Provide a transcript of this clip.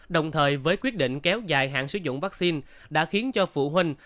đồng thời với quyết định kéo dài hạn sử dụng vaccine đã khiến cho phụ huynh